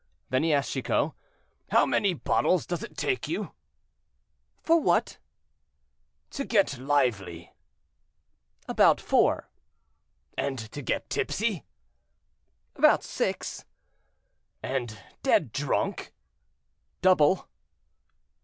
Then he asked Chicot, "How many bottles does it take you?" "For what?" "To get lively." "About four." "And to get tipsy?" "About six." "And dead drunk?" "Double."